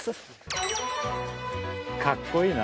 かっこいいな。